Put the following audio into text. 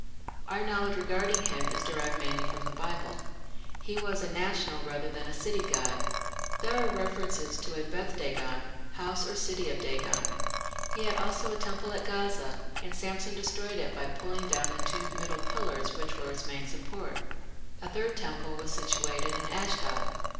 Our knowledge regarding him is derived mainly from the Bible. He was a national rather than a city god. There are references to a Beth dagon, "house or city of Dagon"; he had also a temple at Gaza, and Samson destroyed it by pulling down the two middle pillars which were its main support. A third temple was situated in Ashdod.